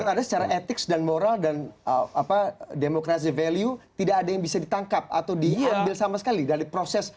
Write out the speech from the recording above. menurut anda secara etik dan moral dan demokrasi value tidak ada yang bisa ditangkap atau diambil sama sekali dari proses